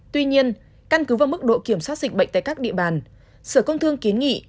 tuy nhiên căn cứ vào mức độ kiểm soát dịch bệnh tại các địa bàn sở công thương kiến nghị